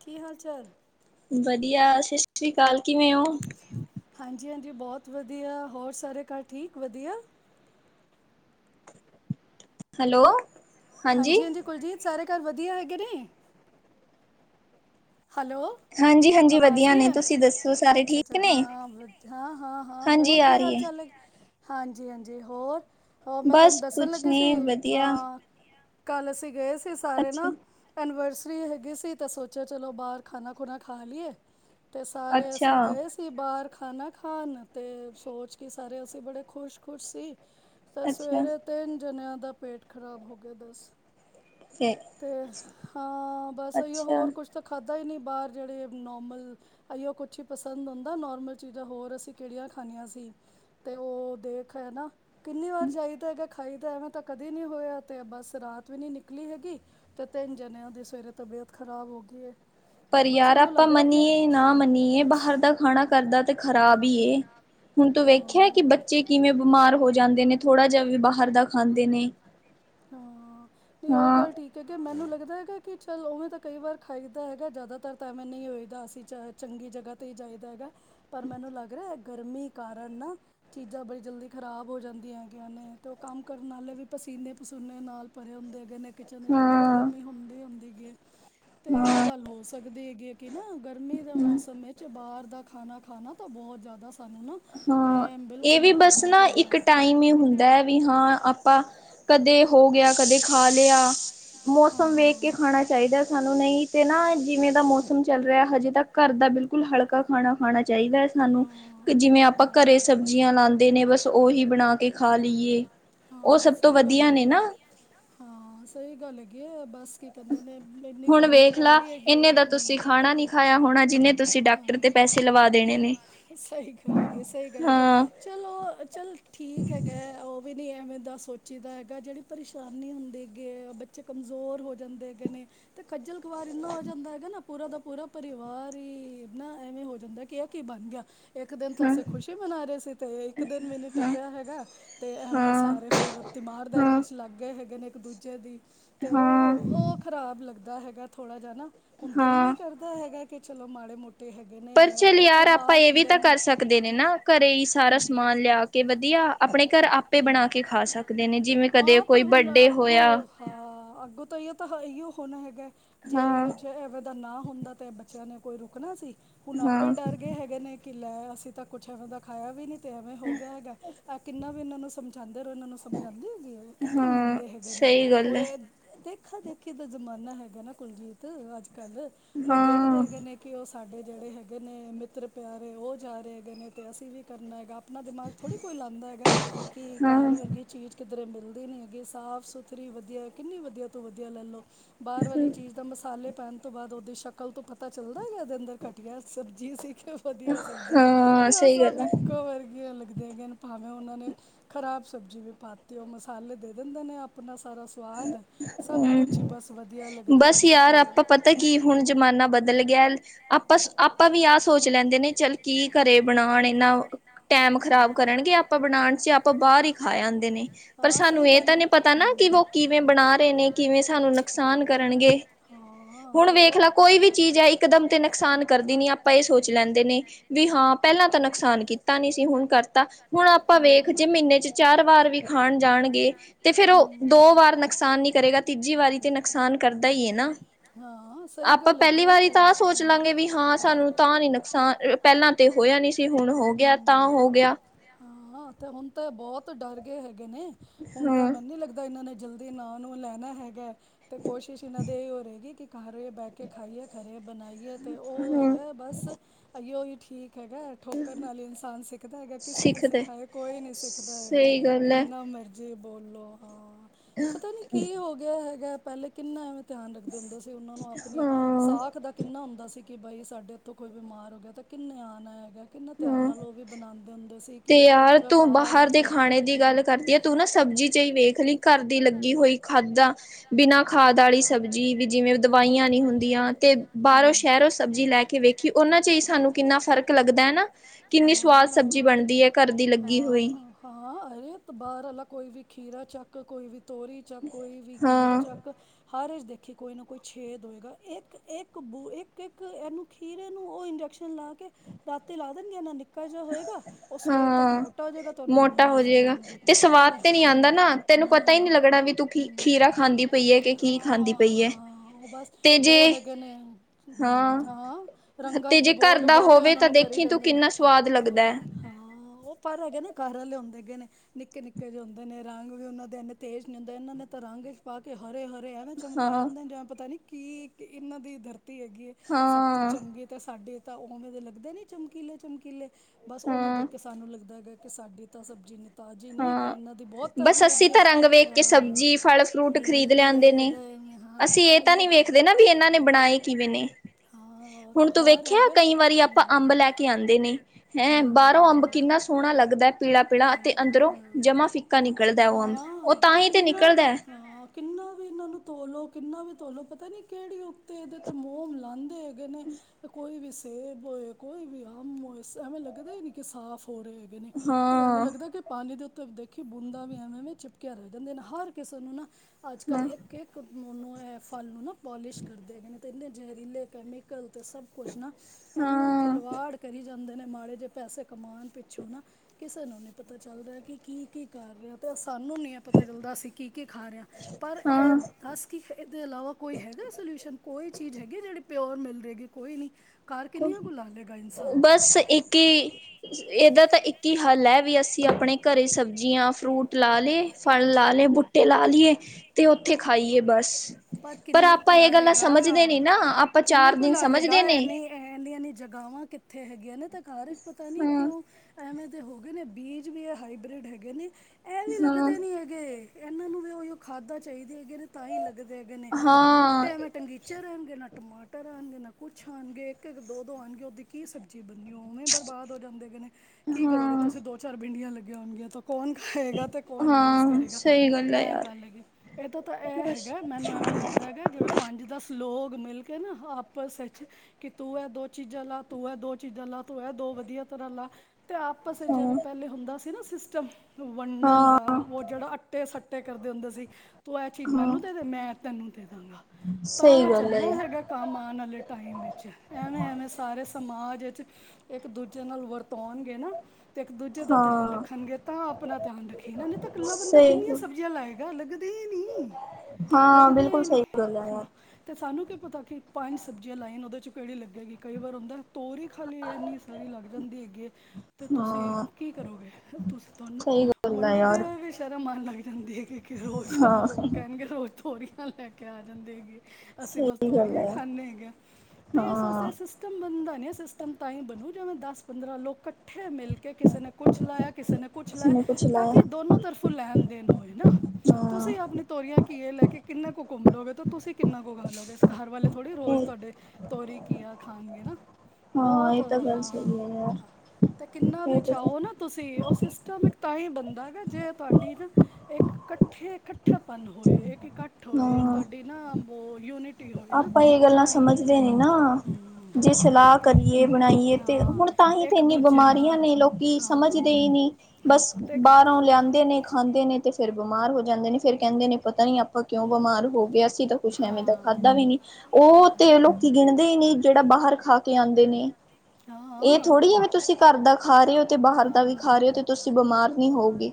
ਕੀ ਹਾਲ ਚਾਲ ਵਧੀਆ ਸਤਿ ਸ੍ਰੀ ਅਕਾਲ ਕਿਵੇਂ ਹੋ ਜੀ ਬਹੁਤ ਵਧੀਆ ਹੋਰ ਸਾਰੇ ਘਰ ਠੀਕ ਵਧੀਆ ਹੈਲੋ ਹਾਂਜੀ ਹਾਂਜੀ ਕੁਲਜੀਤ ਸਾਰੇ ਘਰ ਵਧੀਆ ਹੈਗੇ ਨੇ ਹੈਲੋ ਹਾਂਜੀ-ਹਾਂਜੀ ਆਵਾਜ਼ ਵਧੀਆ ਨਹੀਂ ਨੇ ਆ ਤੁਸੀਂ ਦੱਸੋ ਸਾਰੇ ਅੱਛਾ ਅੱਛਾ ਠੀਕ ਨੇ? ਹਾਂ ਹਾਂ ਹਾਂ ਹਾਂ ਹਾਂਜੀ ਹੋਰ ਆ ਕੀ ਰਹੀ ਹਾਲ ਹੈ। ਚਾਲ ਲ ਹਾਂਜੀ ਹਾਂਜੀ ਹੋਰ ਹੋਰ ਮੈਂ ਬਸ ਤੁਹਾਨੂੰ ਦੱਸਣ ਕੁਛ ਲੱਗੀ ਸੀ ਨੀ ਵਧੀਆ। ਹਾਂ ਕੱਲ ਅਸੀਂ ਗਏ ਸੀ ਸਾਰੇ ਅੱਛਾ, ਨਾ ਐਨੀਵਰਸਰੀ ਹੈਗੀ ਸੀ ਤੇ ਸੋਚਾ ਚਲੋ ਬਾਹਰ ਖਾਣਾ ਖੁਣਾ ਖਾ ਲਈਏ ਤੇ ਸਾਰੇ ਅੱਛਾ, ਅਸੀਂ ਗਏ ਸੀ ਬਾਹਰ ਖਾਣਾ ਖਾਣ ਤੇ ਸੋਚ ਕੇ ਸਾਰੇ ਅਸੀਂ ਬੜੇ ਖੁਸ਼ ਖੁਸ਼ ਸੀ ਤੇ ਅੱਛਾ। ਸਵੇਰੇ ਤਿੰਨ ਜਣਿਆਂ ਦਾ ਪੇਟ ਖ਼ਰਾਬ ਹੋ ਗਿਆ ਦੱਸ ਤੇ ਹਾਂ ਬਸ ਉਹਿਓ ਅੱਛਾ। ਹੋਰ ਕੁਛ ਖਾਦਾ ਹੀ ਨਹੀਂ ਬਾਹਰ ਜਿਹੜੇ ਨੋਰਮਲ ਅਹਿਓ ਕੁਛ ਹੀ ਪਸੰਦ ਹੁੰਦਾ ਨੋਰਮਲ ਚੀਜ਼ਾਂ ਹੋਰ ਅਸੀਂ ਕਿਹੜੀਆਂ ਖਾਣੀਆਂ ਸੀ ਤੇ ਉਹ ਦੇਖ ਹੈਨਾ ਕਿੰਨੀ ਵਾਰ ਜਾਈਦਾ ਹੈਗਾ ਖਾਈ ਦਾ ਐਵੇਂ ਤਾਂ ਕਦੇ ਨੀ ਹੋਇਆ ਤੇ ਬਸ ਰਾਤ ਵੀ ਨੀ ਨਿਕਲੀ ਹੈਗੀ ਤੇ ਤਿੰਨ ਜਣਿਆਂ ਦੀ ਸਵੇਰੇ ਤ ਤਬੀਅਤ ਖਰਾਬ ਹੋਗਈ ਪਰ ਯਾਰ ਆਪਾਂ ਮੰਨੀਏ ਨਾ ਮੰਨੀਏ ਬਾਹਰ ਦਾ ਖਾਣਾ ਕਰਦਾ ਤੇ ਖ਼ਰਾਬ ਹੀ ਏ ਹੁਣ ਤੂੰ ਵੇਖਿਆ ਹਾਂ ਕਿ ਬੱਚੇ ਕਿਵੇਂ ਬਿਮਾਰ ਹੋ ਜਾਂਦੇ ਨੇ ਥੋੜ੍ਹਾ ਜਿਹਾ ਵੀ ਬਾਹਰ ਦਾ ਖਾਂਦੇ ਨੇ ਹਾਂ ਨਹੀਂ ਉਹ ਹਾਂ ਗੱਲ ਠੀਕ ਹੈਗੀ ਮੈਨੂੰ ਲੱਗਦਾ ਹੈਗਾ ਕਿ ਚੱਲ ਉਵੇਂ ਤਾਂ ਕਈ ਵਾਰ ਖਾਈਦਾ ਹੈਗਾ ਜ਼ਿਆਦਾਤਰ ਤਾਂ ਐਵੇਂ ਨਹੀਂ ਹੋਇਦਾ ਅਸੀਂ ਚ ਚੰਗੀ ਜਗ੍ਹਾ ਤੇ ਖਾਈਦਾ ਹੈਗਾ ਪਰ ਮੈਨੂੰ ਲੱਗ ਰਿਹਾ ਏ ਗਰਮੀ ਕਾਰਨ ਨਾ ਚੀਜ਼ਾਂ ਬੜੀ ਜਲਦੀ ਖ਼ਰਾਬ ਹੋ ਜਾਂਦੀਆਂ ਹੈ ਜਿਆਨ ਨੇ [unintelligible] ਅਤੇ ਉਹ ਕੰਮ ਕਰਨ ਵਾਲੇ ਵੀ ਪਸੀਨੇ ਪਸੀੂਨੇ ਨਾਲ ਭਰੇ ਹੁੰਦੇ ਹੈਗੇਏ ਨੇ ਕਿਚਨ ਵਿੱਚ ਤਾਂ ਬਹੁਤ ਹਾਂ, ਗਰਮੀ ਹੁੰਦੀ ਹੁੰਦੀ ਤੇ ਇਹ ਹਾਂ। ਗੱਲ ਹੋ ਸਕਦੀ ਹੈਗੀ ਏ ਕਿ ਨਾ ਗਰਮੀ ਦੇ ਮੌਸਮ ਵਿੱਚ ਬਾਹਰ ਦਾ ਖਾਣਾ ਖਾਣਾ ਤਾਂ ਬਹੁਤ ਜ਼ਿਆਦਾ ਸਾਨੂੰ ਨਾ ਹਾਂ ਐ ਇਹ ਬਿਲਕੁਲ ਵੀ ਨੀ ਬਸ ਕਰਨਾ ਨਾ ਚਾਹੀਦਾ ਇੱਕ ਟਾਈਮ ਹੀ ਹੁੰਦਾ ਹੈ ਵੀ ਹਾਂ ਆਪਾਂ ਕਦੇ ਹੋ ਗਿਆ ਕਦੇ ਖਾ ਲਿਆ ਮੌਸਮ ਵੇਖ ਕੇ ਖਾਣਾ ਚਾਹੀਦਾ ਸਾਨੂੰ ਨਹੀਂ ਤੇ ਨਾ ਜਿਵੇਂ ਦਾ ਮੌਸਮ ਚੱਲ ਰਿਹਾ ਹਜੇ ਤੱਕ ਘਰ ਦਾ ਬਿਲਕੁਲ ਹਲਕਾ ਖਾਣਾ ਖਾਣਾ ਚਾਹੀਦਾ ਹੈ ਸਾਨੂੰ ਜਿਵੇਂ ਆਪਾਂ ਸਾਨੂੰ ਘਰੇ ਸਬਜ਼ੀਆਂ ਲਾਉਂਦੇ ਨੇ ਬਸ ਉਹੀ ਬਣਾ ਕੇ ਖਾ ਲਈਏ ਉਹ ਹਾਂ ਸਭ ਤੋਂ ਸਹੀ ਗੱਲ ਵਧੀਆ ਨੇ ਹੈਗੀ ਨਾ ਹੈ ਹਾਂ ਸਹੀ ਗੱਲ ਹੈਗੀ ਬਸ ਕੀ ਕਹਿੰਦੇ ਨੇ ਇੰਨੀ ਹੁਣ ਗਰਮੀ ਵੇਖ ਲ ਪੈ ਰਹੀ ਹੈਗੀ ਹੈ ਇਨੇ ਦਾ ਹਮ ਤੁਸੀਂ ਖਾਣਾ ਨੀ ਖਾਇਆ ਹੋਣਾ ਜਿੰਨੇ ਤੁਸੀਂ ਹਾਂ ਡਾਕਟਰ ਤੇ ਪੈਸੇ ਲਵਾ ਦੇਣੇ ਨੇ ਸਹੀ ਗੱਲ ਹੈਗੀ ਏ ਸਹੀ ਗੱਲ ਹੈਗੀ ਏ ਹਾਂ ਚਲੋ ਚੱਲ ਠੀਕ ਹੈਗਾ ਉਹ ਵੀ ਨੀ ਐਵੇਂ ਦਾ ਸੋਚੀਦਾ ਹੈਗਾ ਜਿਹੜੀ ਪਰੇਸ਼ਾਨੀ ਹੁੰਦੀ ਹੈ ਅਗੇ ਬੱਚੇ ਕਮਜ਼ੋਰ ਹੋ ਜਾਂਦੇ ਹੈਗੇ ਨੇ ਤੇ ਖੱਜਲ ਇੱਕ ਵਾਰ ਇੰਨਾ ਹੋ ਜਾਂਦਾ ਹੈਗਾ ਨਾ ਪੂਰਾ ਦਾ ਪੂਰਾ ਪਰਿਵਾਰ ਹੀ ਨਾ ਐਵੇਂ ਹੋ ਜਾਂਦਾ ਕਿ ਆ ਕੀ ਬਣ ਗਿਆ ਇੱਕ ਦਿਨ ਤਾਂ ਹਾਂ ਅਸੀਂ ਖੁਸ਼ੀ ਮਨਾ ਰਹੇ ਸੀ ਤੇ ਇੱਕ ਦਿਨ ਵੀ ਨੀ ਹਾਂ ਟੱਪਿਆ ਹੈਗਾ ਤੇ ਐਵੇਂ ਹਾਂ ਸਾਰੇ ਫਿਰ ਤਿਮਾਰਦਾਰੀ ਹਾਂ ਚ ਲੱਗ ਗਏ ਹੈਗੇ ਨੇ ਇੱਕ ਦੂਜੇ ਦੀ ਤੇ ਹਾਂ ਉਹ ਉਹ ਖ਼ਰਾਬ ਲੱਗਦਾ ਹੈਗਾ ਥੋੜਾ ਜਿਹਾ ਨਾ ਹੁਣ ਦਿਲ ਹਾਂ ਵੀ ਕਰਦਾ ਹੈਗਾ ਕਿ ਚਲੋ ਮਾੜੇ ਮੋਟੇ ਹੈਗੇ ਪਰ ਨੇ ਚੱਲ ਤੇ ਯਾਰ ਆਪਾਂ ਤਿਉਹਾਰ ਹੀ ਇਹ ਵੀ ਹੁੰਦੇ ਤਾਂ ਨੇ ਕਰ ਸਕਦੇ ਨੇ ਨਾ ਘਰੇ ਹੀ ਸਾਰਾ ਸਮਾਨ ਲਿਆ ਕੇ ਵਧੀਆ ਆਪਣੇ ਘਰ ਆਪੇ ਬਣਾ ਕੇ ਖਾ ਸਕਦੇ ਨੇ ਜਿਵੇਂ ਕਦੇ ਹਾਂ ਤੇ ਕੋਈ ਹੁਣ ਬਰਡੇ ਹੋਇਆ ਅੱਗੋਂ ਹਾਂ ਅੱਗੋਂ ਤਾਂ ਇਹ ਤਾਂ ਇਹੀਓ ਹੋਣਾ ਹੈਗਾ ਜੇ ਹਾਂ ਆਇਯੋ ਐਵੇਂ ਦਾ ਨਾ ਹੁੰਦਾ ਤੇ ਬੱਚਿਆਂ ਨੇ ਕੋਈ ਰੁਕਣਾ ਸੀ ਹੁਣ ਆਪੇ ਹਾਂ ਡਰ ਗਏ ਹੈਗੇ ਨੇ ਕਿ ਲੈ ਅਸੀਂ ਤਾਂ ਕੁੱਛ ਐਵੇਂ ਦਾ ਖਾਇਆ ਵੀ ਨੀ ਤੇ ਐਵੇਂ ਹੋ ਗਿਆ ਹੈਗਾ ਆਹ ਕਿੰਨਾ ਵੀ ਇਹਨਾਂ ਨੂੰ ਸਮਝਾਂਦਾ ਧਰ ਉਹਨਾਂ ਨੂੰ ਸਮਝ ਆਉਂਦੀ ਹੈਗੀ ਹੈ ਕਿੱਥੇ ਹਾਂ ਮੰਨਦੇ ਹੈਗੇ ਨੇ ਸਹੀ ਗੱਲ ਉਹ ਹੈ ਇਹ ਦੇ ਦੇਖਾ ਦੇਖੀ ਦਾ ਜ਼ਮਾਨਾ ਹੈਗਾ ਨਾ ਕੁਲਜੀਤ ਅੱਜ ਕੱਲ ਉਹ ਦੇਖਦੇ ਹਾਂ ਹੈਗੇ ਨੇ ਕਿ ਉਸ ਸਾਡੇ ਜਿਹੜੇ ਹੈਗੇ ਨੇ ਮਿੱਤਰ ਪਿਆਰੇ ਉਹ ਜਾ ਰਹੇ ਹੈਗੇ ਨੇ ਅਤੇ ਅਸੀਂ ਵੀ ਕਰਨਾ ਹੈਗਾ ਆਪਣਾ ਦਿਮਾਗ ਥੋੜ੍ਹੀ ਕੋਈ ਲਾਉਂਦਾ ਹੈਗਾ ਕਿ ਘਾਰ ਹਾਂ ਵਰਗੀ ਚੀਜ਼ ਉਧਰੇ ਮਿਲਦੀ ਨੀ ਹੈਗੇ ਸਾਫ਼ ਸੁਥਰੀ ਵਧੀਆ ਕਿੰਨੀ ਵਧੀਆ ਤੋਂ ਵਧੀਆ ਲੈ ਲੋ ਬਾਹਰ ਵਾਲੀ ਚੀਜ਼ ਦਾ ਮਸਾਲੇ ਪੈਣ ਤੋਂ ਬਾਅਦ ਉਹਦੀ ਸ਼ਕਲ ਤੋਂ ਪਤਾ ਚੱਲਦਾ ਦੇ ਅੰਦਰ ਘਟੀਆ ਸਬਜ਼ੀ ਸੀ ਕਿ ਵਧੀਆ ਸਬਜ਼ੀ ਸੀ ਹਾਂ ਇਹ ਤਾਂ ਸਹੀ ਸਭ ਗੱਲ ਹੈ ਇੱਕੋ ਵਰਗੀਆਂ ਲੱਗ ਭਾਵੇਂ ਉਹਨਾਂ ਨੇ ਖ਼ਰਾਬ ਸਬਜ਼ੀ ਵੀ ਪਾਤੀ ਉਹ ਮਸਾਲੇ ਦੇ ਦਿੰਦੇ ਨੇ ਆਪਣਾ ਸਾਰਾ ਸਵਾਦ ਸਭ ਹਮ ਕੁਛ ਹੀ ਬਸ ਵਧੀਆ ਲੱਗਦਾ ਬਸ ਹੈਗਾ ਯਾਰ ਤੇ ਆਪਾਂ ਪਤਾ ਕੀ ਹੁਣ ਜ਼ਮਾਨਾ ਬਦਲ ਗਿਆ ਆਪਾਂ ਆਪਾਂ ਵੀ ਆਹ ਸੋਚ ਲੈਂਦੇ ਨੇ ਚੱਲ ਕੀ ਘਰੇ ਬਣਾਉਣ ਇਹਨਾ ਟੈਮ ਹਾਂ। ਖਰਾਬ ਕਰਨਗੇ ਆਪਾਂ ਬਣਾਉਣ ਚ ਆਪਾਂ ਬਾਹਰ ਹੀ ਖਾ ਆਂਦੇ ਨੇ ਪਰ ਹਾਂ ਸਾਨੂੰ ਸਹੀ ਇਹ ਗੱਲ ਤਾਂ ਏ। ਨੀ ਪਤਾ ਨਾ ਕਿ ਕਿਵੇਂ ਬਣਾ ਰਹੇ ਨੇ ਕਿਵੇਂ ਸਾਨੂੰ ਨੁਕਸਾਨ ਕਰਨਗੇ ਹਾਂ ਹੁਣ ਵੇਖ ਹੋਰ। ਲ ਕੋਈ ਵੀ ਚੀਜ਼ ਹੈ ਇੱਕਦਮ ਤੇ ਨੁਕਸਾਨ ਕਰਦੀ ਨੀ ਆਪਾਂ ਇਹ ਸੋਚ ਲੈਂਦੇ ਨੇ ਵੀ ਹਾਂ ਪਹਿਲਾਂ ਤਾਂ ਨੁਕਸਾਨ ਕੀਤਾ ਨੀ ਸੀ ਹੁਣ ਕਰਤਾ ਹੁਣ ਆਪਾਂ ਵੇਖ ਜੇ ਮਹੀਨੇ ਚ ਚਾਰ ਵਾਰ ਵੀ ਖਾਣ ਜਾਣਗੇ ਤੇ ਫੇਰ ਉਹ ਦੋ ਵਾਰ ਨੁਕਸਾਨ ਨੀ ਕਰੇਗਾ ਤੀਜੀ ਵਾਰੀ ਤੇ ਨੁਕਸਾਨ ਕਰਦਾ ਹੀ ਏ ਨਾ ਹਾਂ ਸਹੀ ਆਪਾਂ ਗੱਲ ਪਹਿਲੀ ਹੈਗੀ ਵਾਰੀ ਏ ਤਾਂ ਆ ਸੋਚ ਸੋਚ ਲਾਂਗੇ ਵੀ ਹਾਂ ਸਾਨੂੰ ਤਾਂ ਨੀ ਨੁਕਸਾਨ ਪਹਿਲਾਂ ਤੇ ਹੋਇਆ ਨੀ ਸੀ ਹੁਣ ਹੋ ਗਿਆ ਤਾਂ ਹੋ ਗਿਆ ਹਾਂ ਤੇ ਹੁਣ ਤਾਂ ਬਹੁਤ ਡਰ ਗਏ ਹੈਗੇ ਨੇ ਹੁਣ ਤਾਂ ਹਾਂ ਮੈਨੂੰ ਨੀ ਲੱਗਦਾ ਇਹਨਾਂ ਨੇ ਜਲਦੀ ਨਾਂ ਨੂੰ ਲੈਣਾ ਹੈਗਾ ਤੇ ਕੋਸ਼ਿਸ਼ ਇਹਨਾਂ ਦੇ ਇਹੀਓ ਰਹੇਗੀ ਕਿ ਘਰ ਬਹਿਕੇ ਖਾਈਏ ਘਰੇ ਬਣਾਈਏ ਤੇ ਉਹ ਹੂੰ ਹੈਗਾ ਬਸ ਆਈਓ ਹੀ ਠੀਕ ਹੈਗਾ ਠੋਕਰ ਨਾਲ ਹੀ ਇਨਸਾਨ ਸਿੱਖਦਾ ਹੈਗਾ ਕਿਸੇ ਦੇ ਸਿੱਖਦੇ ਸਿਖਾਏ ਕੋਈ ਨੀ ਸਿੱਖਦਾ ਹੈਗਾ ਸਹੀ ਗੱਲ ਹੈ ਕਿੰਨਾ ਮਰਜ਼ੀ ਬੋਲੋ ਹਾਂ ਪਤਾ ਨੀ ਕੀ ਹੋ ਗਿਆ ਹੈਗਾ ਪਹਿਲੇ ਕਿੰਨਾ ਧਿਆਨ ਰੱਖਦੇ ਹੁੰਦੇ ਸੀ ਉਹਨਾਂ ਨੂੰ ਆਪਣੀ ਹਾਂ ਸਾਖ ਦਾ ਹੂੰਦਾ ਸੀ ਕਿ ਬਾਈ ਸਾਡੇ ਉੱਥੋਂ ਕੋਈ ਬਿਮਾਰ ਹੋ ਗਿਆ ਤਾਂ ਕਿੰਨੇ ਆਣਾ ਹੈਗਾ ਕਿੰਨਾ ਧਿਆਨ ਹਾਂ ਨਾਲ ਉਹ ਵੀ ਬਣਾਉਂਦੇ ਹੁੰਦੇ ਸੀ ਤੇ ਕਿ ਯਾਰ ਤੂੰ ਵਪਾਰ ਹੈਗਾ ਘਰ ਦੇ ਖਾਨੇ ਦੀ ਗੱਲ ਕਰ ਜੀ ਚਹੀ ਵੇਖ ਲਈ ਘਰ ਦੀ ਲੱਗੀ ਹੋਈ ਖਾਦਾਂ ਬਿਨਾਂ ਖਾਦ ਵਾਲੀ ਸਬਜ਼ੀ ਵੀ ਜਿਵੇਂ ਦਵਾਈਆਂ ਨੀ ਹੁੰਦੀਆਂ ਤੇ ਬਾਹਰੋਂ ਸ਼ਹਿਰੋਂ ਸਬਜ਼ੀ ਲੈ ਕੇ ਵੇਖ ਦੇਖੀ ਉਹਨਾਂ ਚ ਹੀ ਸਾਨੂੰ ਕਿੰਨਾ ਫ਼ਰਕ ਲੱਗਦਾ ਹੈ ਨਾ ਹਾਂ ਕਿੰਨੀ ਸੁਆਦ ਸਬਜ਼ੀ ਬਣਦੀ ਹੈ ਘਰ ਦੀ ਲੱਗੀ ਹੋਈ ਹਾਂ ਹਾਂ ਇਹ ਤਾਂ ਬਾਹਰ ਵਾਲਾ ਕੋਈ ਵੀ ਖੀਰਾ ਚੱਕ ਕੋਈ ਵੀ ਤੋਰੀ ਚੱਕ ਕੋਈ ਵੀ ਘੀਆ ਹਾਂ ਚੱਕ ਹਰ ਵਿਚ ਦੇਖੀ ਕੋਈ ਨਾ ਕੋਈ ਛੇਦ ਹੋਏਗਾ ਇੱਕ ਇੱਕ ਬ ਇੱਕ ਇੱਕ ਇਹਨੂੰ ਖੀਰੇ ਨੂੰ ਉਹ ਇੰਜੇਕ ਸ਼ਨ ਲਾ ਕੇ ਰਾਤੀਂ ਲਾ ਦੇਣਗੇ ਨ ਪਤਲਾ ਜਿਹਾ ਹੋਏਗਾ ਉਹ ਸਵੇਰ ਤੱਕ ਹਾਂ ਮੋਟਾ ਹੋ ਜਾਏਗਾ ਤੇ ਓਹਨੂੰ ਮੋਟਾ ਮੰਡੀ ਹੋ ਚ ਲੈ ਜਾਏਗਾ ਆਣਗੇ ਤੇ ਸਵਾਦ ਐਵੇਂ ਤੇ ਨੀ ਹਮ ਆਂਦਾ ਨਾ ਤੈਨੂੰ ਪਤਾ ਹੀ ਨੀ ਨਾ ਲੱਗਣਾ ਵੀ ਤੂੰ ਕੀ ਹਮ ਖੀਰਾ ਖਾਂਦੀ ਪਈ ਹੈ ਕਿ ਕੀ ਖਾਂਦੀ ਹਾਂ ਪਈ ਹੈ ਹਾਂ ਉਹ ਬਸ ਤੇ ਉਹ ਜੇ ਹੈਗੇ ਨੇ ਹਮ ਹਾਂ ਰੰਗਾਂ ਤੇ ਚ ਜੇ ਡੁਬੋ ਘਰ ਦਾ ਡੁਬੋ ਕੇ ਹੋਵੇ ਉਹਨਾਂ ਤਾਂ ਨੂੰ ਕਰੀ ਦੇਖੀ ਤੂੰ ਜਾਂਦੇ ਨੇ ਕਿੰਨਾ ਸਵਾਦ ਲੱਗਦਾ ਹੈ ਹਾਂ ਉਹ ਪਰ ਹੈਗੇ ਨੇ ਘਰ ਵਾਲੇ ਹੁੰਦੇ ਹੈਗੇ ਨੇ ਨਿੱਕੇ ਨਿੱਕੇ ਜਹੇ ਹੁੰਦੇ ਨੇ ਰੰਗ ਵੀ ਉਹਨਾਂ ਦੇ ਇਨੇ ਤੇਜ਼ ਨਹੀਂ ਹੁੰਦਾ ਇਹਨਾਂ ਨੇ ਤਾਂ ਰੰਗ ਹੀ ਪਾ ਕੇ ਹਰੇ ਹਰੇ ਐਵੇਂ ਚਮਕਾਏ ਹਾਂ ਹੁੰਦਾ ਜਿਵੇਂ ਪਤਾ ਨੀ ਕੀ ਇਹਨਾਂ ਦੀ ਧਰਤੀ ਹੈਗੀਏ ਸਭ ਤੋਂ ਹਾਂ ਚੰਗੇ ਤਾਂ ਸਾਡੇ ਤਾਂ ਉਹਵੇਂ ਦੇ ਲੱਗਦੇ ਨੇ ਚਮਕੀਲੇ ਚਮਕੀਲੇ ਬਸ ਉਹਨੂੰ ਹਾਂ ਦੇਖ ਕੇ ਸਾਨੂੰ ਲੱਗਦਾ ਹੈਗਾ ਕਿ ਸਾਡੀ ਤਾਂ ਸਬਜ਼ੀ ਨੀ ਤਾਜ਼ੀ ਨੀ ਹੈਗੀ ਹਾਂ ਇਹਨਾਂ ਦੀ ਬਹੁਤ ਬਸ ਤਾਜ਼ੀ ਅਸੀਂ ਹੈਗੀ ਆ ਤਾਂ ਰੰਗ ਵੇਖ ਕੇ ਹਾਂ ਸਬਜ਼ੀ ਫਲ ਫਰੂਟ ਖ਼ਰੀਦ ਲਿਆਂਦੇ ਨੇ ਲਈਦਾ ਅਸੀਂ ਇਹ ਹਾਂ ਤਾਂ ਨਹੀਂ ਵੇਖਦੇ ਨਾ ਵੀ ਇਹਨਾਂ ਨੇ ਬਣਾਏ ਕਿਵੇਂ ਨੇ ਹਾਂ ਹੁਣ ਤਾਂ ਤੂੰ ਹਾਰ ਵੇਖਿਆ ਹੈਗਾ ਕਈ ਵਾਰੀ ਆਪਾਂ ਅੰਬ ਲੈ ਕੇ ਆਉਂਦੇ ਨੇ ਹੈਂ ਬਾਹਰੋਂ ਅੰਬ ਕਿੰਨਾ ਸੋਹਣਾ ਲੱਗਦੈ ਪੀਲਾ ਪੀਲਾ ਅਤੇ ਅੰਦਰੋਂ ਜਮਾ ਫਿੱਕਾ ਨਿਕਲਦਾ ਉਹ ਅੰਬ ਉਹ ਹਾਂ ਤਾਂ ਹੀ ਤੇ ਕਿੰਨਾ ਨਿਕਲਦਾ ਵੀ, ਹੈ ਹਾਂ ਕਿੰਨਾ ਵੀ ਇਹਨਾਂ ਨੂੰ ਧੋਲੋ ਕਿੰਨਾ ਵੀ ਧੋਲੋ ਪਤਾ ਨੀ ਕਿਹੜੀ ਉੱਤੇ ਇਹਦੇ ਤੇ ਮੋਮ ਲਾਂਦੇ ਨੇ ਕੋਈ ਵੀ ਸੇਬ ਹੋਏ ਕੋਈ ਵੀ ਅੰਬ ਹੋਏ ਐਵੇਂ ਲੱਗਦਾ ਹੀ ਨੀ ਕਿ ਸਾਫ਼ ਹੋ ਰਹੇ ਹੈਗੇ ਨੇ ਐਵੇਂ ਹਾਂ ਲੱਗਦਾ ਕਿ ਪਾਣੀ ਦੇ ਉੱਤੇ ਦੇਖਿ ਬੂੰਦਾ ਵੀ ਐਵੇਂ ਚਿਪਕਿਆ ਰਹਿ ਜਾਂਦੇ ਨੇ ਹਰ ਕਿਸੇ ਨੂੰ ਨਾ ਅੱਜ ਕੱਲ ਹਾਂ ਇੱਕ ਇੱਕ ਫਲ ਨੂੰ ਨਾ ਪੋਲਿਸ਼ ਕਰਦੇ ਨੇ ਅਤੇ ਇੰਨੇ ਜ਼ਹਿਰੀਲੇ ਕੈਮੀਕਲ ਤੇ ਸਭ ਕੁਛ ਨਾ ਇਨਾ ਹਾਂ ਖਿਲਵਾੜ ਕਰੀ ਜਾਂਦੇ ਨੇ ਮਾੜੇ ਜੇ ਪੈਸੇ ਕਮਾਉਣ ਪਿੱਛੋਂ ਨਾ ਕਿਸੇ ਨੂੰ ਨੀ ਪਤਾ ਚੱਲਰਿਹਾ ਕਿ ਕੀ ਕੀ ਕਰ ਰਿਹਾ ਤੇ ਅਸੀਂ ਸਾਨੂੰ ਨੀ ਏਹ ਪਤਾ ਚੱਲਦਾ ਸੀ ਕੇ ਖਾ ਰੇ ਹਾਂ ਪਰ ਇਹ ਹਾਂ ਦੱਸ ਕੀ ਇਹਦੇ ਇਲਾਵਾ ਕੋਈ ਹੈਗਾ ਸੋਲਿਊਸ਼ਨ ਕੋਈ ਚੀਜ਼ ਹੈਗੀ ਜਿਹੜੀ ਪਿਓਰ ਮਿਲ ਰਹੀ ਹੇਗੀ ਕੋਈ ਨੀ ਬਸ ਇੱਕ ਹੀ ਇਹਦਾ ਤਾਂ ਇੱਕ ਹੀ ਹੱਲ ਹੈ ਵੀ ਅਸੀਂ ਅਸੀ ਆਪਣੇ ਘਰੇ ਸਬਜ਼ੀਆਂ ਫਰੂਟ ਲਾ ਲਈਏ ਫਲ ਲਾ ਲਈਏ ਬੂਟੇ ਲਾ ਲਈਏ ਤੇ ਉੱਥੇ ਖਾਈਏ ਏ ਬਸ ਪਰ ਕਿੰਨੇ ਕੁ ਆਪਾਂ ਇਹ ਗੱਲਾਂ ਲਾਏਗਾ ਸਮਝਦੇ ਨੀ ਨਾ ਆਪਾਂ ਚਾਰ ਦਿਨ ਸਮਝਦੇ ਨੇ ਏਹਨੀਆ ਏਹਨੀਆ ਨੇ ਜਗ੍ਹਾਵਾਂ ਕਿੱਥੇ ਹੈਗੀਆਂ ਨੇ ਤਾਂ ਘਰ ਵਿੱਚ ਪਤਾ ਨੀ ਹਾਂ ਕਿਉਂ ਐਵੇਂ ਹੋ ਗਏ ਨੇ ਬੀਜ ਵੀ ਇਹ ਹਾਈਬ੍ਰਿਡ ਹੈਗੇ ਨੇ ਇਹ ਵੀ ਹਾਂ ਲੱਗਦੇ ਨੀ ਹੈਗੇ ਇਹਨਾਂ ਨੂੰ ਵੀ ਉਹੀ ਖਾਦਾਂ ਚਾਹੀਦੀ ਹੈਗੀਆਂ ਨੇ ਤਾਂ ਹੀ ਲੱਗਦਾ ਦੇਗੇ ਨੇ ਬੂਟੇ ਹਾਂ ਏਮੈਂ ਟੰਗੀਚੇ ਰਹਿਣਗੇ ਨਾ ਟਮਾਟਰ ਆਉਣਗੇ ਨਾ ਕੁੱਛ ਆਉਣਗੇ ਇੱਕ ਇੱਕ ਦੋ ਦੋ ਆਉਣਗੇ ਉਹਦੀ ਕੀ ਸਬਜ਼ੀ ਬੰਨੀ ਉਵੇਂ ਬਰਬਾਦ ਹੋ ਜਾਂਦੇ ਹੈਗੇ ਨੇ ਕੀ ਕਰੋਗੇ ਹਾਂ ਤੁਸੀਂ ਦੋ ਚਾਰ ਭਿੰਡੀਆਂ ਲੱਗੀਆਂ ਹੋਣਗੀਆਂ ਤਾਂ ਕੌਣ ਖਾਏਗਾ ਅਤੇ ਕੌਣ ਯੂਜ਼ ਹਾਂ ਕਰੇਗਾ ਸਹੀ ਗੱਲ ਹੈ ਇਹ ਯਾਰ ਗੱਲ ਹੈਗੀ ਇਹਦਾ ਤਾਂ ਇਹ ਹੈਗਾ ਬਸ ਮੈਨੂੰ ਐਵੇਂ ਲੱਗਦਾ ਹੈਗਾ ਜਿਵੇਂ ਪੰਜ ਦਸ ਲੋਕ ਮਿਲ ਕੇ ਨਾ ਆਪਸ ਵਿੱਚ ਕਿ ਤੂੰ ਹੈ ਦੋ ਚੀਜ਼ਾਂ ਲਾ ਤੂੰ ਹੈ ਦੋ ਚੀਜ਼ਾਂ ਲਾ ਤੂੰ ਐ ਦੋ ਵਧੀਆ ਤਰ੍ਹਾਂ ਲਾ ਅਤੇ ਆਪਸ ਹਾਂ ਜਵੇੋਂ ਪਹਿਲੇ ਹੁੰਦਾ ਸੀ ਨਾ ਸਿਸਟਮ ਵੰਡਣ ਦਾ ਹਾਂ ਉਹ ਜਿਹੜਾ ਅੱਟੇ ਸਟ ਟੇ ਕਰਦੇ ਹੁੰਦੇ ਸੀ ਤੂੰ ਇਹ ਚੀਜ਼ ਹਾਂ ਮੈਨੂੰ ਦੇ ਦੇ ਮੈਂ ਏ ਤੈਨੂੰ ਦੇ ਦਾਂਗਾ। ਸਹੀ ਤਾਂ ਗੱਲ ਹੈ ਚੱਲਣਾ ਹੈਗਾ ਕੰਮ ਆਉਣ ਵਾਲੇ ਟਾਈਮ ਵਿੱਚ ਐਵੇਂ ਐਵੇਂ ਸਾਰੇ ਸਭ ਸਮਾਜ ਵਿੱਚ ਇੱਕ ਦੂਜੇ ਨਾਲ ਵਰਤਾਉਣਗੇ ਨਾ। ਤੇ ਇੱਕ ਦੂਜੇ ਦਾ ਧਿਆਨ ਹਾਂ ਰੱਖਣਗੇ ਤਾਂ ਆਪਣਾ ਧਿਆਨ ਰੱਖੀਏ ਨਾ ਨਹੀਂ ਤਾਂ ਇਕੱਲਾ ਬੰਦਾ ਕਿੰਨੀਆਂ ਸਹੀ ਸਬਜ਼ੀਆਂ ਲਾਏਗਾ। ਨ ਲੱਗਦੀ। ਹਾਂ ਲੱਗਦੀਆਂ ਬਿਲਕੁਲ ਏ ਨੀ ਸਹੀ ਗੱਲ ਹੈ ਯਾਰ ਤੇ ਸਾਨੂੰ ਕਿ ਪਤਾ ਕਿ ਪੰਜ ਸਬਜ਼ੀਆਂ ਲਾਈਆ ਨ ਉਹਦੇ ਚ ਕੇੜੀ ਲੱਗੇਗੀ ਕਈ ਵਾਰੀ ਹੁੰਦਾ। ਤੋਰੀ ਹੀ ਖਾਲੀ ਇੰਨੀ ਸਾਰੀ ਲੱਗ ਜਾਂਦੀ ਹੈਗੀ ਹੈ ਅਤੇ ਤੁਸੀਂ ਹਾਂ ਕੀ ਕਰੋਗੇ ਤੁਸੀਂ ਤੁਹਾਨੂੰ ਸਹੀ ਗੱਲ ਹੈ ਵੰਡਦੇ ਯਾਰ ਹੋਏ ਵੀ ਸ਼ਰਮ ਆਉਣ ਲੱਗ ਜਾਂਦੀ ਹੈ ਕਿਉਕ ਰੋਜ਼ ਹਾਂ ਲੋਕ ਕਹਿਣਗੇ ਰੋਜ਼ ਚੋਰੀਆਂ ਲੈ ਕੇ ਆ ਜਾਂਦੇ ਹੈਗੇ। ਅਸੀਂ ਬਸ ਸਹੀ ਗੱਲ ਤੋਰੀਆ ਹੀ ਹੈ ਖਾਂਦੇ ਹੈਗੇ ਆ ਤੇ ਇਸ ਵਾਸਤੇ ਹਾਂ ਸਿਸਟਮ ਬਣਦਾ। ਸਿਸਟਮ ਤਾਂ ਹੀ ਬਣੂ ਜਿਵੇਂ ਦਸ ਪੰਦਰਾਂ ਲੋਕ ਕੱਠੇ ਇਕੱਠੇ ਮਿਲ ਕੇ ਕਿਸੇ ਨੇ ਕੁਛ ਲਾਇਆ ਕਿਸੇ ਨੇ ਕੁਛ ਕਿਸੇ ਲਾਇਆ ਨੇ ਤਾਂ ਲਾਇਆ ਕਿ ਦੋਨੋ ਤਰਫੋਂ ਲੈਣ ਦੇਣ ਹੋਏ ਨਾ। ਹਾਂ ਤੁਸੀਂ ਆਪਣੀ ਤੋਰੀਆਂ ਘਿਏ ਲੈ ਕੇ ਕਿੰਨਾ ਕੁ ਘੁੰਮਲੋਗੇ ਤੇ ਤੁਸੀਂ ਕਿੰਨਾ ਕੁ ਖਾ ਲੋਗੇ ਇਸ ਘਰ ਵਾਲੇ ਥੋੜ੍ਹੀ ਰੋਜ਼ ਇਹ ਤੁਹਾਡੇ ਤੋਰੀ ਘਿਆ ਖਾਣਗੇ ਨਾ। ਬਹੁਤ ਇਹ ਤਾਂ ਹਾਂ ਗੱਲ ਸਹੀ ਹੈ ਯਾਰ ਹਾਂ ਤੇ ਕਿੰਨਾ ਵੀ ਇਹ ਤਾਂ ਚਾਹੋ ਨਾ ਤੁਸੀਂ ਉਹ ਸਿਸਟਮ ਇੱਕ। ਤਾਂ ਹੀ ਬੰਦਾ ਗਾ ਜੇ ਤੁਹਾਡੀ ਨਾ ਇੱਕ ਇਕੱਠੇ ਇਕੱਠਾਪਨ ਹੋਏ। ਕਿ ਘੱਟ ਹੋਏ ਇੱਕ ਹਾਂ ਤੁਹਾਡੀ ਨਾਬੋ ਯੂਨਿਟ ਆਪਾਂ ਇਹ ਗੱਲਾਂ ਸਮਝਦੇ ਨੇ ਨਾ ਹਮ ਜੇ ਹਾਂ ਸਲਾਹ ਤੇ ਕਰੀਏ ਬਣਾਈਏ ਤੇ ਹਾਂ ਹੁਣ ਤਾਂ ਹੀ ਤੇ ਇੱਕ ਇੰਨੀ ਦੂਜੇ ਬਿਮਾਰੀਆਂ ਨਾਲ ਨੇ ਲੋਕੀ ਹਾਂ ਸਮਝਦੇ ਹੀ ਨਹੀਂੀ ਹਾਂ ਬਸ ਤੇ ਇੱਕ ਬਾਹਰੋਂ ਲਿਆਂਦੇ ਨੇ ਖਾਂਦੇ ਨੇ ਤੇ ਫਿਰ ਬਿਮਾਰ ਹੋ ਜਾਂਦੇ ਨੇ ਫਿਰ ਕਹਿੰਦੇ ਨੇ ਪਤਾ ਨਹੀਂ ਆਪਾਂ ਕਿਉਂ ਬਿਮਾਰ ਹੋ ਗਏ ਅਸੀਂ ਤਾਂ ਕੁਛ ਐਵੇਂ ਤੱਕ ਹਾਂ ਖਾਧਾ ਵੀ ਨੀ ਉਹ ਤੇ ਲੋਕੀ ਗਿਣਦੇ ਨੀ ਜਿਹੜਾ ਬਾਹਰ ਖਾ ਕੇ ਆਉਂਦੇ ਨੇ। ਇਹ ਥੋੜ੍ਹੀ ਹੈ ਵੀ ਤੁਸੀਂ ਘਰ ਦਾ ਖਾ ਰਹੇ ਹੋ ਤੇ ਬਾਹਰ ਦਾ ਵੀ ਖਾ ਰਹੇ ਹੋ ਤੇ ਤੁਸੀਂ ਬਿਮਾਰ ਨਹੀਂ ਹੋਗੇ।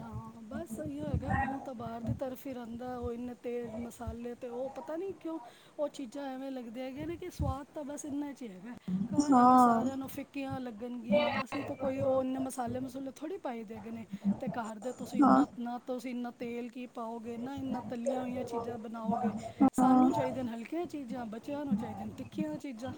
ਹਾਂ ਬਸ ਇਹੀ ਹੈਗਾ ਮੂੰਹ ਤਾਂ ਬਾਹਰ ਦੀ ਤਰਫ਼ ਹੀ ਰਹਿੰਦਾ। ਉਹ ਇਨੇ ਤੇਜ਼ ਮਸਾਲੇ ਤੇ ਉਹ ਪਤਾ ਨੀ ਕਿਉਂ ਉਹ ਚੀਜ਼ਾਂ ਐਵੇਂ ਲੱਗਦੀ ਹੈਗੀਆਂ ਨੇ ਕਿ ਸਵਾਦ ਤਾਂ। ਬਸ ਇੰਨਾ। ਹੈਗਾ ਘਰ ਵਾਲੀ ਹਾਂ, ਸਾਰਿਆਂ ਨੂੰ ਫਿੱਕੀਆਂ ਲੱਗਣਗੀਆਂ ਅਸੀਂ ਤਾਂ ਕੋਈ ਉਹ ਇਨੇ ਮਸਾਲੇ ਮਸੂਲੇ ਥੋੜੇ ਪਾਈ ਦੇ। ਹੈਗੇ ਨੇ ਤੇ ਘਰ ਦੇ ਤੁਸੀਂ ਹਾਂ, ਇੰਨਾ ਨਾ ਤੁਸੀਂ ਇੰਨਾ ਤੇਲ ਕੀ। ਪਾਓਗੇ ਨਾ ਇੰਨਾ ਤਲੀਆਂ ਹੋਈਆਂ ਚੀਜ਼ਾਂ ਬਣਾਓਗੇ ਹਾਂ, ਸਾਨੂੰ ਚਾਹੀਦੇਆਂ ਨੇ ਹਲਕੀਆਂ ਚੀਜ਼ਾਂ ਬੱਚਿਆਂ ਨੂੰ ਚਾਹੀਦੀਆਂ ਨੇ ਤਿੱਖੀਆਂ ਚੀਜ਼ਾਂ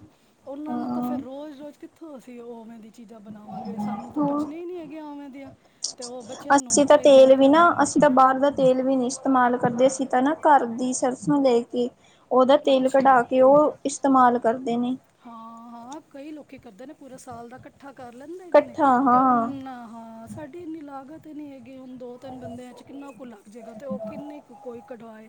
ਉਹਨਾਂ ਨੂੰ ਤਾਂ ਫੇਰ ਹਾਂ, ਰੋਜ਼ ਰੋਜ਼ ਕਿਥੋਂ ਅਸੀਂ ਉਵੇਂ ਦੀ ਚੀਜ਼ਾਂ ਬਣਾਵਾਂਗੇ ਸਾਨੂੰ ਤਾਂ ਹਾਂ। ਪਚਨੀ ਹੀ ਨਹੀਂ ਹੈਗੀਆਂ ਉਵੇਂ ਦੀਆਂ। ਤੇ ਉਹ ਬੱਚਿਆਂ ਨੂੰ ਅਸੀਂ ਉਹ ਤਾਂ ਚਾਹੀਦਾ ਹੈਗਾ ਤੇਲ ਵੀ ਤਾਂ ਹਾਂ ਨਾ ਅਸੀਂ ਤਾਂ ਬਾਹਰ ਦਾ ਤੇਲ ਵੀ ਨਹੀਂ ਇਸਤੇਮਾਲ ਕਰਦੇ ਅਸੀਂ ਤਾਂ ਨਾ ਘਰ ਦੀ ਸਰਸੋਂ ਲੈ ਕੇ ਉਹਦਾ ਤੇਲ ਅੱਛਾ ਕਢਾ ਕੇ ਉਹ ਇਸਤੇਮਾਲ ਕਰਦੇ ਨੇ। ਹਾਂ ਹਾਂ ਕਈ ਲੋਕੀ ਕਰਦੇ ਨੇ ਪੂਰੇ ਸਾਲ ਦਾ ਇਕੱਠਾ ਕਰ ਲੈਂਦੇ ਹੈਗੇ ਨੇ ਇਕੱਠਾ ਤੇ ਹਾਂ ਉਨਾ ਹਾਂ ਸਾਡੀ ਇੰਨੀ ਲਾਗਤ ਹੀ ਨਹੀਂ ਹੈਗੀ ਹੁਣ ਦੋ ਤਿੰਨ ਬੰਦਿਆਂ ਚ ਕਿੰਨਾ ਕੁ ਲੱਗ ਜਾਏਗਾ ਤੇ ਉਹ ਕਿੰਨੀ ਕੁ ਕੋਈ ਕਢਵਾਏ।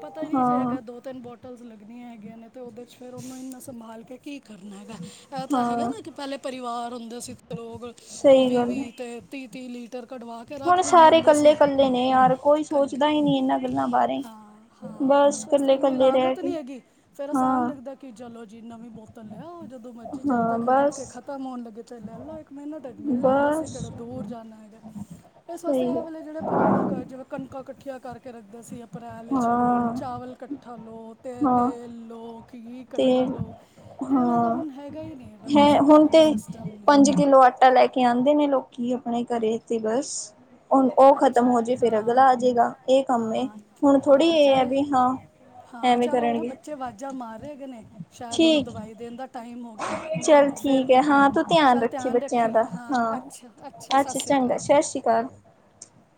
ਪਤਾ ਨੀ ਜੇ ਹਾਂ ਹੈਗਾ ਦੋ ਤਿੰਨ ਬੋਟਲਸ ਲੱਗਦੀਆਂ ਹੈਗੀਆਂ ਨੇ ਤੇ ਉਹਦੇ ਚ ਫਿਰ ਉਹਨੂੰ ਇੰਨਾ ਸੰਭਾਲ ਕੇ ਕੀ। ਕਰਨਾ ਹੈਗਾ ਇਹ ਤਾਂ ਹੈਗਾ ਹਾਂ ਨਾ ਕਿ ਪਹਿਲੇ ਪਰਿਵਾਰ ਹੁੰਦੇ ਸੀ ਲੋਕ ਉਹ ਸਹੀ ਵੀਹ ਗੱਲ ਹੈ ਵੀਹ ਤੇ ਤੀਹ। ਹੁਣ ਸਾਰੇ ਕੱਲੇ ਕੱਲੇ ਨੇ ਯਾਰ ਕੋਈ ਕੱਲ ਸੋਚਦਾ ਹੀ ਨਹੀਂ ਇਹਨਾਂ ਗੱਲਾਂ ਬਾਰੇ। ਹਾਂ ਹਾਂ ਤੇ ਬਸ ਇਸ ਵਾਸਤੇ ਕੱਲੇ ਇੰਨੀ ਕੱਲੇ ਰਹਿ ਲਾਗਤ ਨੀ ਕੇ ਹੈਗੀ ਫੇਰ ਆਸਾਨ ਹਾਂ ਲੱਗਦਾ ਹੈ ਕਿ ਚਲੋ ਜੀ ਨਵੀਂ ਬੋਤਲ। ਲਿਆਉ ਜਦੋਂ ਮਰਜ਼ੀ ਹਾਂ ਚਾਹੀਦਾ ਖਰੀਦ ਬਸ ਕੇ ਖ਼ਤਮ ਹੋਣ ਲ ਤੇ ਲੈ ਲਓ ਇੱਕ ਮਹੀਨੇ ਤੱਕ ਮਿਲ ਜਾਂਦਾ ਅਸੀ ਬਸ ਕਿਹੜਾ ਦੂਰ ਜਾਣਾ ਹੈਗਾ ਇਸ ਵਾਸਤੇ ਸਹੀ ਇਹ ਵੇਲੇ ਜਿਹੜੇ ਪੁਰਾਣੇ ਜਿਵੇਂ ਕਣਕਾ ਇਕਠੀਆ ਕਰਕੇ ਰੱਖਦੇ ਸੀ ਅਪ੍ਰੈਲ ਵਿਚ ਲਓ ਹਾਂ ਚਾਵਲ ਇਕੱਠਾ ਲਓ ਤੇ ਹਾਂ ਤੇਲ ਲਓ ਘੀ ਤੇ ਇਕੱਠਾ ਲਓ ਐਵੇਂ ਤਾਂ ਹਾਂ ਹੁਣ ਹੈਗਾ ਹੀ ਨਹੀਂ ਹੈਗਾ ਹੈ ਕਿਸੇ ਦਾ ਹੁਣ ਵੀ ਨਹੀਂ ਤੇ ਸਿਸਟਮ ਨਹੀਂ ਪੰਜ ਕਿਲੋ ਆਟਾ ਲੈ ਕੇ ਆਉਂਦੇ ਨੇ ਲੋਕੀ। ਆਪਣੇ ਘਰ ਤੇ ਬਸ ਹੁਣ ਉਹ ਅੱਛਾ ਖਤਮ ਹੋ ਜੇ ਫਿਰ ਹਾਂ ਅਗਲਾ ਆ ਜਾੇਗਾ ਇਹ ਕੰਮ ਹਾਂ ਹੁਣ ਥੋੜੀ ਹਾਂ ਇਹ ਹੈ ਚੱਲ ਵੀ ਹਾਂ ਹਾਂ ਐਵੇਂ ਚਲ ਉਹ ਨਾ ਕਰਨਗੇ ਬੱਚੇ ਅਵਾਜ਼ਾਂ ਮਾਰ ਰਹੇ ਗ ਨੇ ਸ਼ਾਇਦ ਉਹਨੂੰ ਠੀਕ ਦਵਾਈ ਦੇਣ ਦਾ ਟਾਈਮ ਹੋ ਗਿਆ ਮੈਂ ਚੱਲ ਤੁਹਨੂੰ ਫੇਰ ਠੀਕ ਹੈ ਹਾਂ ਕਰਨੀ ਆ ਤੂੰ ਚੱਲ ਧਿਆਨ ਬੱਚਿਆਂ ਰੱਖੀ ਦਾ ਹਾਂ ਹਾਂ ਅੱਛਾ ਸਤਿ ਅੱਛਾ ਸ਼੍ਰੀ ਚੰਗਾ ਅਕਾਲ ਸਤਿ ਸ੍ਰੀ ਅਕਾਲ [inaudible]